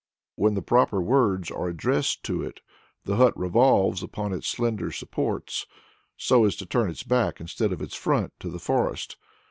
When the proper words are addressed to it, the hut revolves upon its slender supports, so as to turn its back instead of its front to the forest.